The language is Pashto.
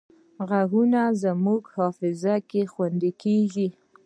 غږونه زموږ حافظه کې خوندي کېږي